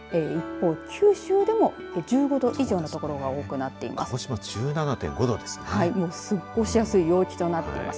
一方、九州でも１５度以上の所が多くなっています。